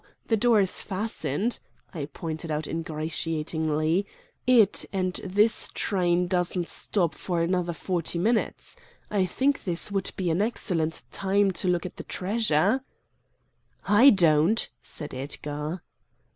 The door is fastened," I pointed out ingratiatingly, "it and this train doesn't stop for another forty minutes. I think this would be an excellent time to look at the treasure." "I don't!" said Edgar.